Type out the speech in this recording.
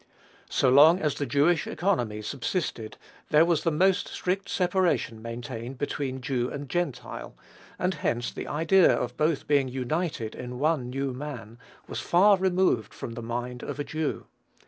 So long as the Jewish economy subsisted there was the most strict separation maintained between Jew and Gentile, and hence the idea of both being united in one new man was far removed from the mind of a Jew.